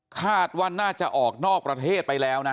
คาดว่าน่าจะออกนอกประเทศไปแล้วนะ